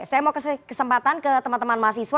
saya mau kasih kesempatan ke teman teman mahasiswa